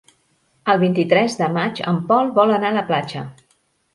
El vint-i-tres de maig en Pol vol anar a la platja.